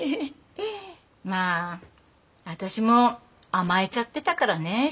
まあ私も甘えちゃってたからね静には。